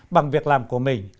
bằng việc làm của mình